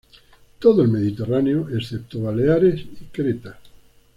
Todo el Mediterráneo, excepto Baleares y Creta